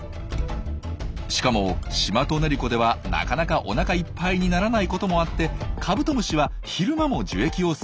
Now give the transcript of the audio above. しかもシマトネリコではなかなかおなかいっぱいにならないこともあってカブトムシは昼間も樹液を吸い続けます。